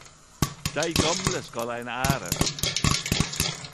Dei gamle skal ein ære